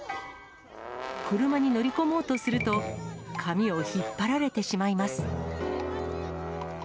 車に乗り込もうとすると、髪を引っ張られてしまいます。